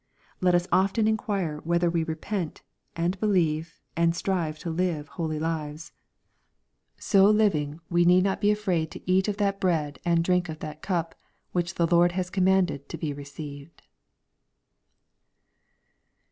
Let us often enquire whether we repent, and believe, and Btrive to live holy lives. So living we need not be afraid 100 EXPOSITORY THOUGHTS. to eat of that bread and drink of that cup, which th^ Lord has commanded to be received.